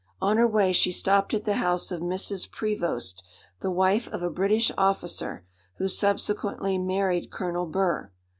On her way she stopped at the house of Mrs. Prevost, the wife of a British officer, who subsequently married Colonel Burr.